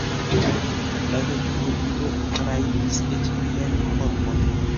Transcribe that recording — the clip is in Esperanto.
La veturilo trairis eĉ lian korpon.